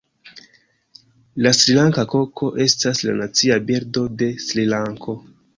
La Srilanka koko estas la Nacia birdo de Srilanko.